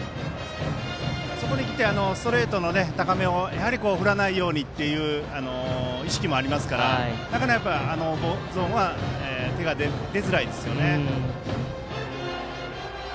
そこにきてストレートの高めを振らないようにという意識もありますからなかなかあのゾーンは手が出づらいです。